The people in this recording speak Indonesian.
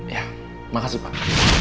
ya makasih pak